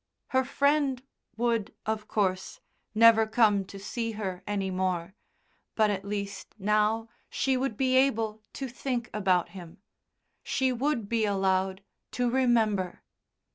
Her Friend would, of course, never come to see her any more, but at least now she would be able to think about him. She would be allowed to remember.